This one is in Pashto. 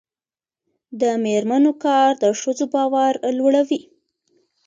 د میرمنو کار د ښځو باور لوړوي.